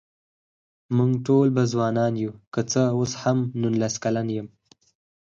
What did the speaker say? مونږ به ځوانان يوو که څه اوس هم نوولس کلن يم